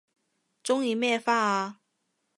鍾意咩花啊